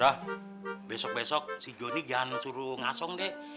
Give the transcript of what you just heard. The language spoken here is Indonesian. roh besok besok si jonny jangan suruh ngasong deh